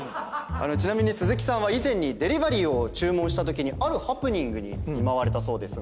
ちなみに鈴木さんは以前にデリバリーを注文したときにあるハプニングに見舞われたそうですが。